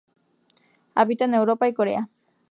Habita en Europa y Corea.